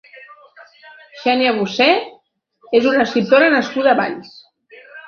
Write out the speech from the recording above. Xènia Bussé és una escriptora nascuda a Valls.